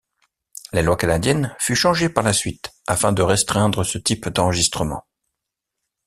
La loi canadienne fut changée par la suite afin de restreindre ce type d'enregistrement.